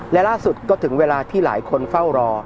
และล่าสุดก็ถึงเวลาที่หลายคนเฝ้ารอ